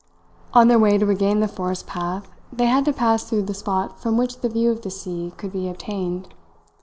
On their way to regain the forest path they had to pass through the spot from which the view of the sea could be obtained.